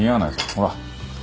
ほら。